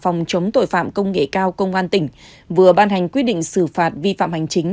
phòng chống tội phạm công nghệ cao công an tỉnh vừa ban hành quyết định xử phạt vi phạm hành chính